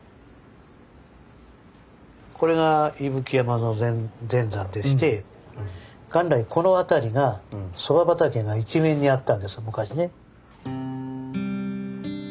これが伊吹山の全山でして元来この辺りがそば畑が一面にあったんです昔ね。